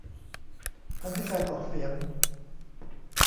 ทำให้การออกเสียง